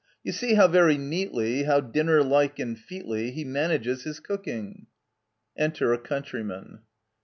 You see how very neatly How dinner like and featly He manages his cooking ! Enter a Countryman.